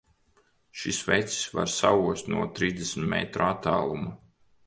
Šis vecis var saost no trīsdesmit metru attāluma!